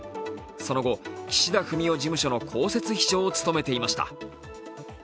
その後、岸田文雄事務所の公設秘書を務めていました。